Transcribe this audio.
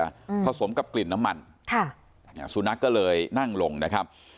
อืมผสมกับกลิ่นน้ำมันค่ะอ่าสุนัขก็เลยนั่งลงนะครับ